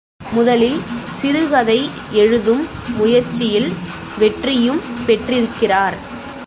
முதலில் சிறுகதை எழுதும் முயற்சியில் வெற்றியும் பெற்றிருக்கிறார்.